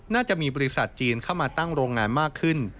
น่าจะมีบริษัทจีนเข้ามาตั้งโรงงานมากขึ้น